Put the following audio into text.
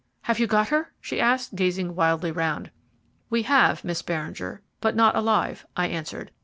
"Have you got her?" she asked, gazing wildly round. "We have, Miss Beringer, but not alive," I answered.